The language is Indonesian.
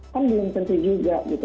kan belum tentu juga gitu